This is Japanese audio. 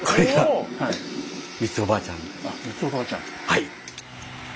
はい。